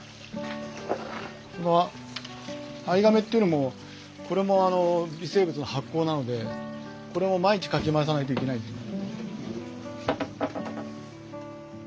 この藍がめっていうのもこれもあの微生物の発酵なのでこれも毎日かき回さないといけないんですよ。